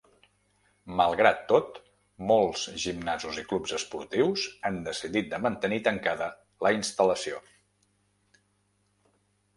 Malgrat tot, molts gimnasos i clubs esportius han decidit de mantenir tancada la instal·lació.